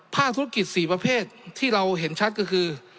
ธุรกิจ๔ประเภทที่เราเห็นชัดก็คือ